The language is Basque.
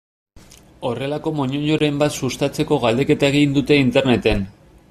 Horrelako moñoñoren bat sustatzeko galdeketa egin dute Interneten.